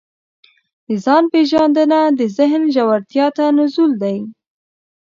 د ځان پېژندنه د ذهن ژورتیا ته نزول دی.